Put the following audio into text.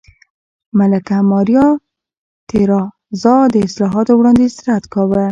ملکه ماریا تېرازا د اصلاحاتو وړاندیز رد کاوه.